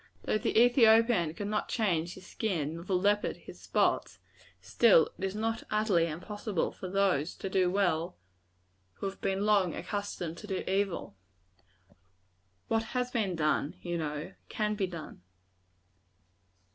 Though the Ethiopian cannot change his skin, nor the leopard his spots, still it is not utterly impossible for those to do well who have been long accustomed to do evil. "What has been done," you know, "can be done."